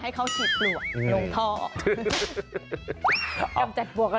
ให้เขาฉีดปลวกลงท่อ